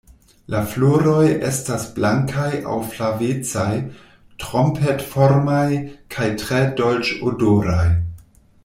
La floroj estas blankaj aŭ flavecaj, trompet-formaj kaj tre dolĉ-odoraj.